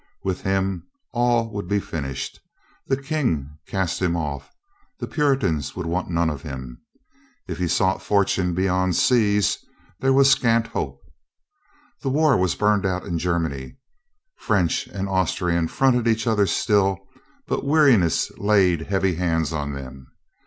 With him all would be fin ished. The King cast him off, the Puritans would want none of him. If he sought fortune beyond seas, there was scant hope. The war was burned out in Germany. French and Austrian fronted each other still, but weariness laid heavy hands on them.